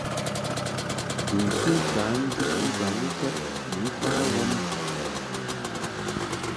Bɨŋkɨ ka njuʼni bawukɛd ni mfa wɔmti.